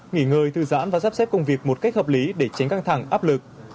nghỉ ngơi thư giãn và sắp xếp công việc một cách hợp lý để tránh căng thẳng áp lực